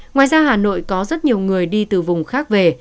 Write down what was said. ngoài ra hà nội có rất nhiều người đi từ vùng khác về